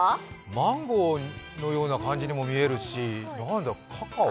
マンゴーのような感じにも見えるし、カカオ？